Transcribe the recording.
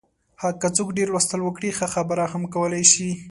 که څوک ډېر لوستل وکړي، ښه خبرې هم کولای شي.